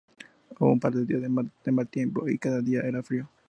Hubo un par de días de mal tiempo, y cada día era frío.